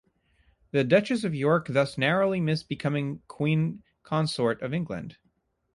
The Duchess of York thus narrowly missed becoming queen consort of England.